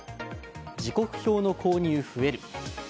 時刻表の購入増える。